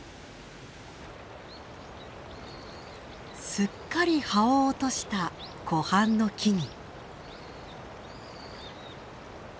すっかり葉を落とした湖畔の木々。